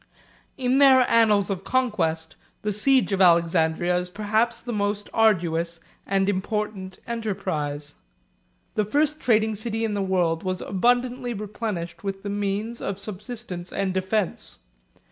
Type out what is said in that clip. In their annals of conquest, the siege of Alexandria 111 is perhaps the most arduous and important enterprise. The first trading city in the world was abundantly replenished with the means of subsistence and defence.